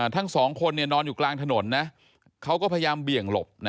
ทั้งสองคนนอนอยู่กลางถนนนะเขาก็พยายามเบี่ยงหลบ